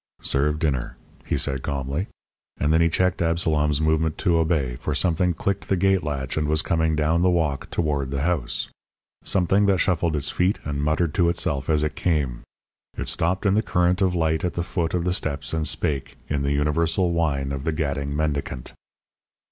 "Serve dinner," he said calmly. And then he checked Absalom's movement to obey, for something clicked the gate latch and was coming down the walk toward the house. Something that shuffled its feet and muttered to itself as it came. It stopped in the current of light at the foot of the steps and spake, in the universal whine of the gadding mendicant.